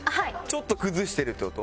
ちょっと崩してるって事？